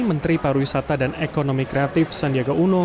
menteri pariwisata dan ekonomi kreatif sandiaga uno